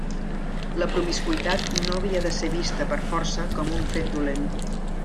La promiscuïtat no havia de ser vista per força com un fet dolent.